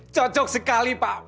cocok sekali pak